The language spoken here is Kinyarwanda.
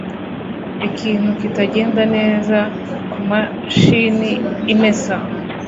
Ikintu kitagenda neza kumashini imesa.